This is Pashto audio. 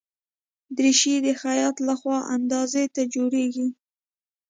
دریشي د خیاط له خوا اندازې ته جوړیږي.